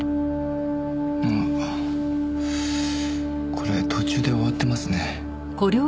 これ途中で終わってますね。